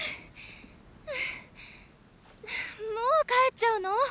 もう帰っちゃうの？